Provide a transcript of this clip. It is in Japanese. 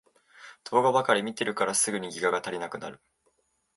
動画ばかり見てるからすぐにギガが足りなくなる